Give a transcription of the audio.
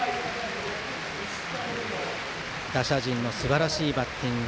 打者陣のすばらしいバッティング。